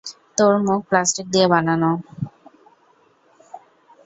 তোর মুখ প্লাস্টিক দিয়ে বানানো।